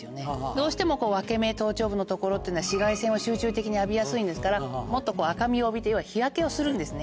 どうしても分け目頭頂部のところっていうのは紫外線を集中的に浴びやすいですからもっと赤みを帯びて要は日焼けをするんですね。